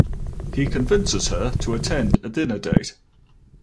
He convinces her to attend a dinner date.